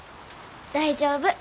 大丈夫。